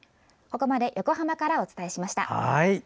ここまで横浜からお伝えしました。